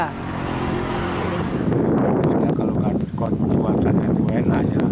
hasilnya perusahaannya kita tahu